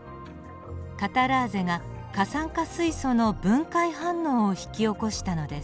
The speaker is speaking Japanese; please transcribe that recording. カタラーゼが過酸化水素の分解反応を引き起こしたのです。